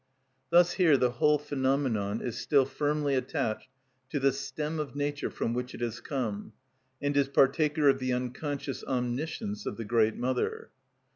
Thus here the whole phenomenon is still firmly attached to the stem of nature from which it has come, and is partaker of the unconscious omniscience of the great mother.